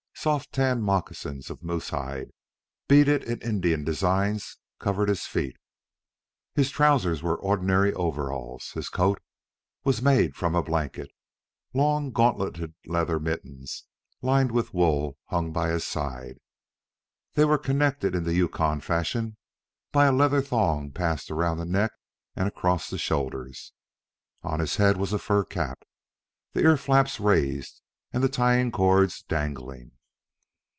Soft tanned moccasins of moose hide, beaded in Indian designs, covered his feet. His trousers were ordinary overalls, his coat was made from a blanket. Long gauntleted leather mittens, lined with wool, hung by his side. They were connected in the Yukon fashion, by a leather thong passed around the neck and across the shoulders. On his head was a fur cap, the ear flaps raised and the tying cords dangling.